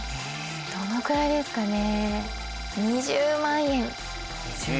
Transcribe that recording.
どのくらいですかね？